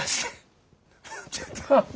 ちょっと。